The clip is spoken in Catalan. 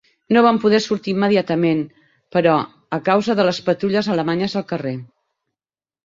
No van poder sortir immediatament, però, a causa de les patrulles alemanyes al carrer.